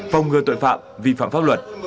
phòng ngừa tuệ phạm vi phạm pháp luật